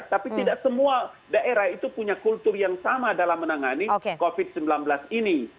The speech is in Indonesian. tapi tidak semua daerah itu punya kultur yang sama dalam menangani covid sembilan belas ini